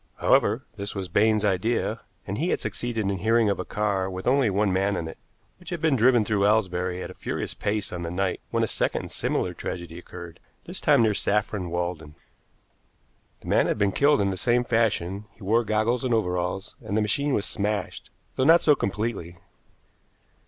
However, this was Baines's idea; and he had succeeded in hearing of a car with only one man in it which had been driven through Aylesbury at a furious pace on the night when a second and similar tragedy occurred, this time near Saffron Walden. The man had been killed in the same fashion, he wore goggles and overalls, and the machine was smashed, though not so completely.